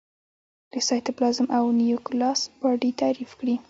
د سایتوپلازم او نیوکلیوس باډي تعریف کړي.